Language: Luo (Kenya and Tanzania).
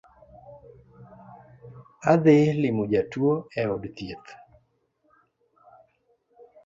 Adhi limo jatuo e od thieth